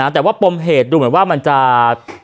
แต่ว่าปมเหตุดูเหมือนว่ามันจะ